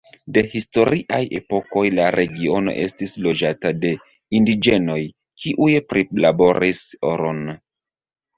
De historiaj epokoj la regiono estis loĝata de indiĝenoj kiuj prilaboris oron.